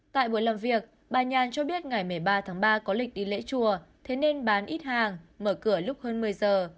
tại buổi làm việc bà nhàn cho biết ngày một mươi ba tháng ba có lịch đi lễ chùa thế nên bán ít hàng mở cửa lúc hơn một mươi giờ